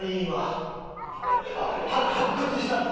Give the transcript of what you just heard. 発掘したって事？